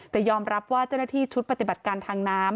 แต่ยอมรับว่าเจ้าหน้าที่ชุดปฏิบัติการทางน้ำ